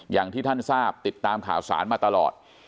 อย่างที่ท่านทราบติดตามข่าวสารมาตลอด